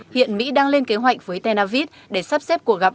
hiện mỹ đang lên kế hoạch với tenavit để sắp xếp cuộc gặp